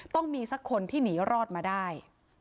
ต้องมีสักคนที่หนีรอดมาได้